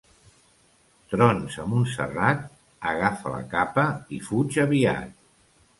Trons a Montserrat, agafa la capa i fuig aviat.